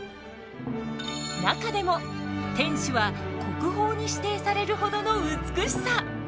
中でも天守は国宝に指定されるほどの美しさ。